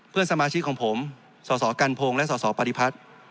เพื่อนสมาชิกของผมสสกันพงศ์และสสปฏิพัฒน์